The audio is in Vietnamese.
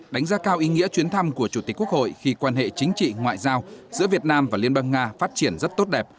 đánh giá cao ý nghĩa chuyến thăm của chủ tịch quốc hội khi quan hệ chính trị ngoại giao giữa việt nam và liên bang nga phát triển rất tốt đẹp